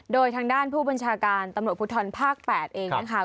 โดยทางด้านผู้บัญชาการตำรวจภูทรภาค๘เองนะคะ